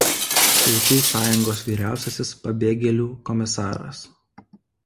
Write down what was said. Tautų Sąjungos Vyriausiasis pabėgėlių komisaras.